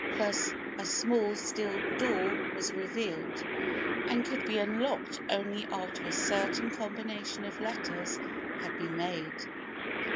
Thus a small steel door was revealed, and could be unlocked only after a certain combination of letters had been made.